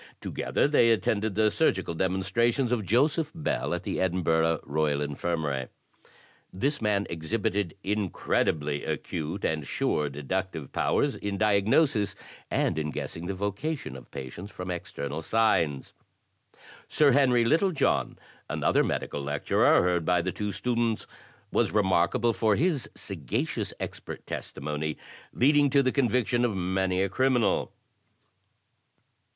To gether they attended the surgical demonstrations of Joseph Bell, at the Edinburgh Royal Infirmary. This man exhibited incredibly acute and sure deductive powers in diagnosis and in guessing the vocation of patients from external signs. Sir Henry Littlejohn, another medical lecturer, heard by the two students, was remarkable for his sagacious expert testimony, leading to the conviction of many a criminal.